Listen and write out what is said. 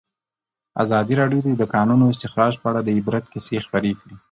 ازادي راډیو د د کانونو استخراج په اړه د عبرت کیسې خبر کړي.